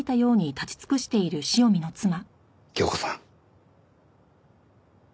恭子さん。